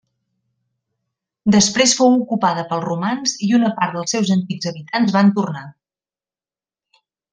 Després fou ocupada pels romans i una part dels seus antics habitants van tornar.